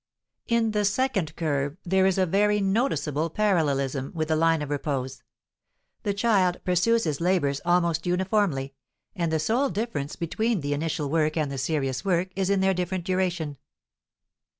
In the second curve there is a very noticeable parallelism with the line of repose; the child pursues his labors almost uniformly, and the sole difference between the initial work and the serious work is in their different duration.